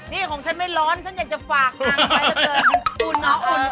นี่ของฉันไม่ร้อนฉันอยากจะฝากทางใครเท่าเกิน